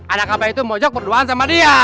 anak apaan itu mojok perduaan sama dia